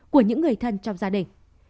của những người thân trong gia đình